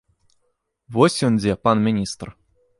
Вось ён дзе, пан міністр.